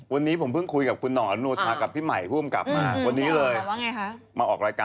ให้นั่งจิตหมอดวันนี้ค่ะค่ะ